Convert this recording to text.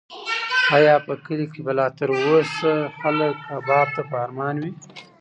ایا په کلي کې به لا تر اوسه خلک کباب ته په ارمان وي؟